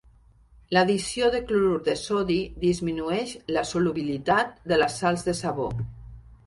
L'addició de clorur de sodi disminueix la solubilitat de les sals de sabó.